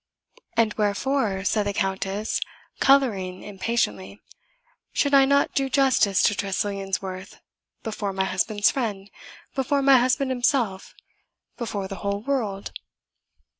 "And wherefore," said the Countess, colouring impatiently, "should I not do justice to Tressilian's worth, before my husband's friend before my husband himself before the whole world?"